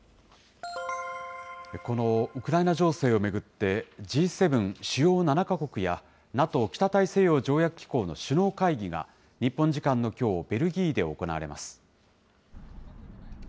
このウクライナ情勢を巡って、Ｇ７・主要７か国やＮＡＴＯ・北大西洋条約機構の首脳会議が、日本時間のきょう、ベルギーで行われます。